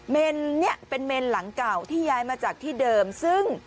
เนี่ยเป็นเมนหลังเก่าที่ย้ายมาจากที่เดิมซึ่ง